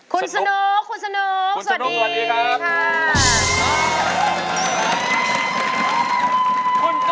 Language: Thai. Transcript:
คุณสนุกสวัสดีค่ะคุณสนุกสวัสดีครับสวัสดีครับ